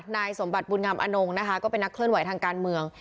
นายสมบัติบุญงามอนงนะคะก็เป็นนักเคลื่อนไหวทางการเมือง